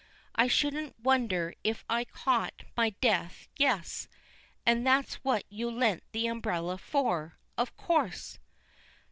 I shouldn't wonder if I caught my death; yes; and that's what you lent the umbrella for. Of course!